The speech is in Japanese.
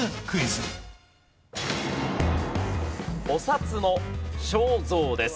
お札の肖像です。